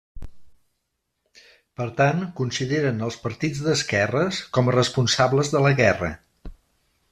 Per tant, consideren als partits d'esquerres com a responsables de la guerra.